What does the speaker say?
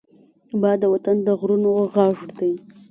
باد د وطن د غرونو غږ دی